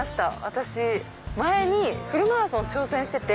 私前にフルマラソン挑戦してて。